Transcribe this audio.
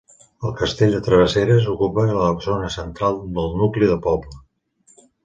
El castell de Travesseres ocupa la zona central del nucli del poble.